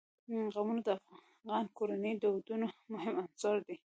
قومونه د افغان کورنیو د دودونو مهم عنصر دی.